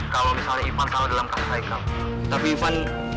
sayangnya dia tahu kalau gue pakai perapingan